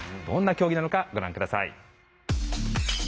どんな競技なのかご覧下さい。